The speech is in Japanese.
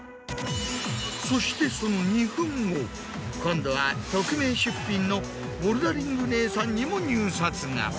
そしてその２分後今度は匿名出品の「ボルダリング姉さん」にも入札が。